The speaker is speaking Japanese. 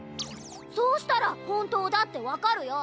そうしたらほんとうだってわかるよ！